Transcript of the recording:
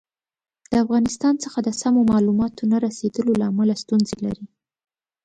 د افغانستان څخه د سمو معلوماتو نه رسېدلو له امله ستونزې لري.